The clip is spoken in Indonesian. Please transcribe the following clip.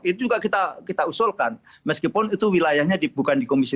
itu juga kita usulkan meskipun itu wilayahnya bukan dikomunikasi